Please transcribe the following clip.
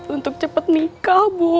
untuk cepet nikah bu